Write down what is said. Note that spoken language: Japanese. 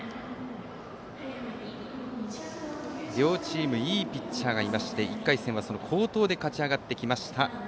両チームいいピッチャーがいまして１回戦は好投で勝ち上がってきました